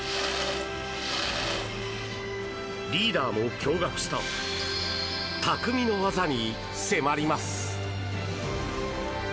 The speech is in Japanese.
リーダーも驚がくしたたくみの技に迫ります。